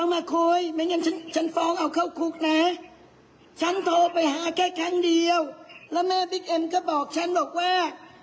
ไปหาแค่ครั้งเดียวแล้วแม่บิ๊กเอ็มก็บอกฉันบอกว่า